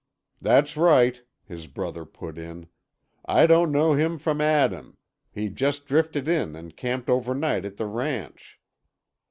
"That's right," his brother put in. "I don't know him from Adam. He just drifted in and camped overnight at the ranch."